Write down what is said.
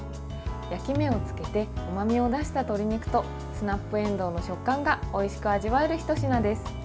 焼き目をつけてうまみを出した鶏肉とスナップえんどうの食感がおいしく味わえる、ひと品です。